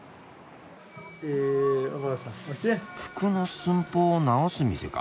服の寸法を直す店か。